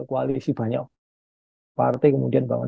koalisi banyak partai kemudian bangun